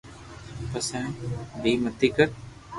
پسي بي متي ڪر